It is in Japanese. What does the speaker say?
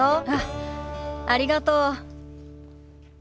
あっありがとう。